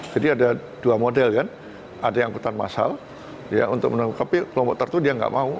jadi ada dua model kan ada yang angkutan massal tapi kelompok tertentu dia nggak mau